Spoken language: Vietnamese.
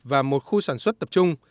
và một khu sản xuất tập trung